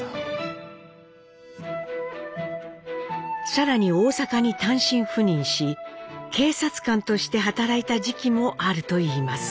更に大阪に単身赴任し警察官として働いた時期もあるといいます。